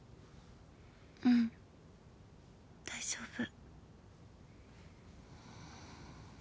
うん大丈夫。